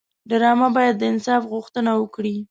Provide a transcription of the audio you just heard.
ډرامه باید د انصاف غوښتنه وکړي